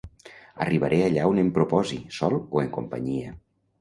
Arribaré allà on em proposi, sol o en companyia.